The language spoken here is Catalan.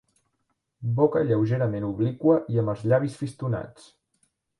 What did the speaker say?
Boca lleugerament obliqua i amb els llavis fistonats.